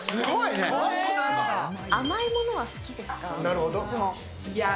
甘いものは好きですか？